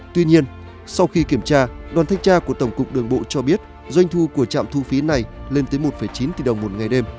tuy nhiên sau khi kiểm tra đoàn thanh tra của tổng cục đường bộ cho biết doanh thu của trạm thu phí này lên tới một chín tỷ đồng một ngày đêm